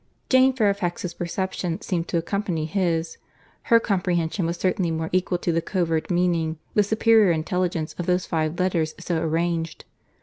Jane Fairfax's perception seemed to accompany his; her comprehension was certainly more equal to the covert meaning, the superior intelligence, of those five letters so arranged.